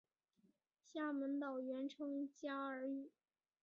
厦门岛原称嘉禾屿。